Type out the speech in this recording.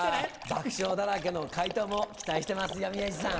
爆笑だらけの回答も期待してますよ宮治さん。